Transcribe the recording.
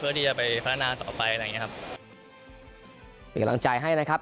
เพื่อที่จะไปพัฒนาต่อไปอะไรอย่างเงี้ยครับเป็นกำลังใจให้นะครับ